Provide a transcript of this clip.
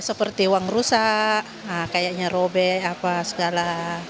seperti uang rusak kayaknya robe segala